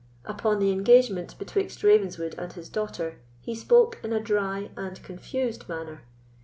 Upon the engagement betwixt Ravenswood and his daughter, he spoke in a dry and confused manner.